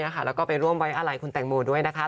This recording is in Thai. แล้วก็ไปร่วมไว้อะไรคุณแตงโมด้วยนะคะ